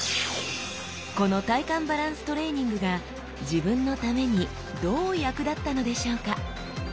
この体幹バランストレーニングが自分のためにどう役立ったのでしょうか？